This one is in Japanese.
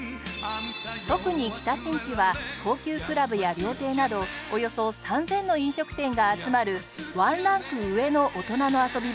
特に北新地は高級クラブや料亭などおよそ３０００の飲食店が集まるワンランク上の大人の遊び場です